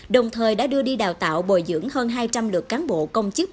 đồng thời đã đưa đi đào tạo bồi dưỡng hơn hai trăm linh lượt cán bộ công chức